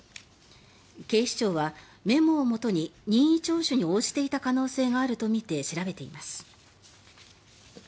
警視庁はメモをもとに任意聴取に応じていた可能性があるとみて調べています。